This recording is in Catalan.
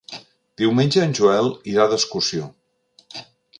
Diumenge en Joel irà d'excursió.